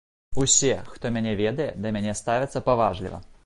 Усе, хто мяне ведае, да мяне ставяцца паважліва.